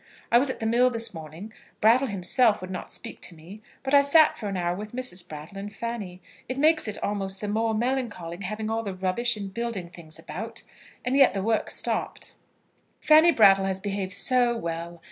I was at the mill this morning. Brattle himself would not speak to me, but I sat for an hour with Mrs. Brattle and Fanny. It makes it almost the more melancholy having all the rubbish and building things about, and yet the work stopped. Fanny Brattle has behaved so well!